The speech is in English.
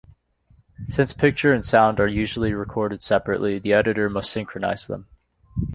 Since picture and sound are usually recorded separately, the editor must synchronize them.